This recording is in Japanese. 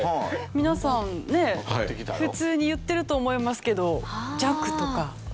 皆さんね普通に言ってると思いますけど。